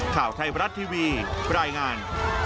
ข่าวไทยบรัฐทีวีรายงาน